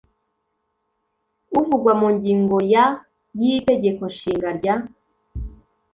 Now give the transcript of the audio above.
uvugwa mu ngingo ya y itegeko nshinga rya